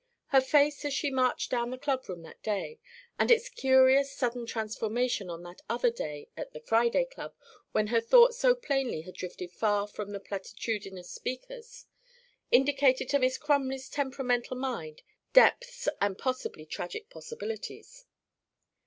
Her face as she marched down the clubroom that day, and its curious sudden transformation on that other day at the Friday Club when her thoughts so plainly had drifted far from the platitudinous speakers, indicated to Miss Crumley's temperamental mind "depths and possibly tragic possibilities."